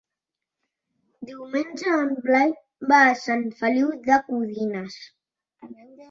Diumenge en Blai va a Sant Feliu de Codines.